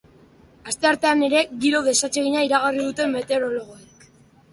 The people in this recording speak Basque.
Asteartean ere, giro desatsegina iragarri dute meteorologoek.